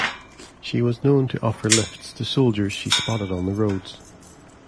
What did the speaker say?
She was known to offer lifts to soldiers she spotted on the roads.